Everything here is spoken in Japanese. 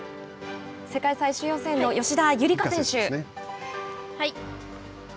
世界最終予選の吉田夕梨花選手。